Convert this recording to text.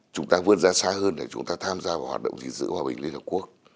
chúng ta vươn ra xa hơn để chúng ta tham gia vào hoạt động gìn giữ hòa bình liên hợp quốc